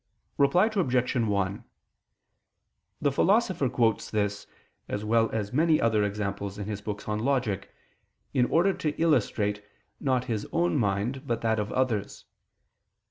Reply Obj. 1: The Philosopher quotes this, as well as many other examples in his books on Logic, in order to illustrate, not his own mind, but that of others.